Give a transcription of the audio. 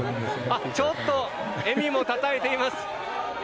ちょっと笑みもたたえています。